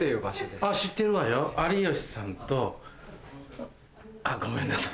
知ってるわよ有吉さんと。あっごめんなさい。